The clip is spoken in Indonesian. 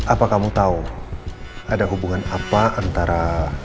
apa kamu tahu ada hubungan apa antara